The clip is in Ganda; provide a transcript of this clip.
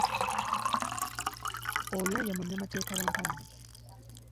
Oyo ye munnamateeka wa Mpalanyi.